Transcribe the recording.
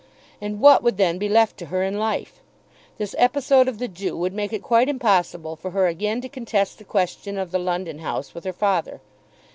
And what would then be left to her in life? This episode of the Jew would make it quite impossible for her again to contest the question of the London house with her father.